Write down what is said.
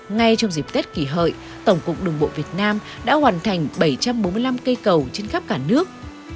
ngay trong dịp tết kỷ hợi tổng cục đường bộ việt nam đã hoàn thành bảy trăm bốn mươi năm cây cầu trên khắp cả nước